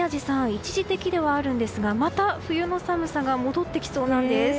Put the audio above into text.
一時的ではあるんですがまた冬の寒さが戻ってきそうなんです。